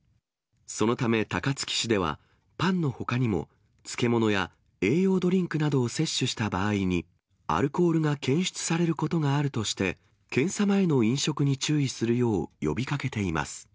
そのため高槻市では、パンのほかにも漬物や栄養ドリンクなどを摂取した場合に、アルコールが検出されることがあるとして、検査前の飲食に注意するよう呼びかけています。